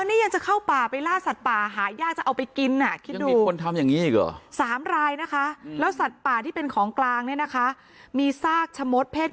อุ๊ยนี่ยังเป็นอยู่แล้ว